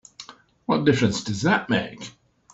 What difference does that make?